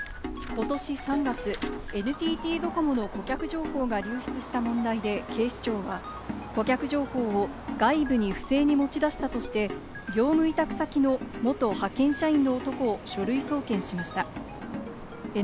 ことし３月、ＮＴＴドコモの顧客情報が流出した問題で、警視庁は顧客情報を外部に不正に持ち出したとして、業務委託先の元派遣社員の男を書類送検しました。